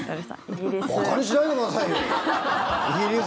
馬鹿にしないでくださいよ！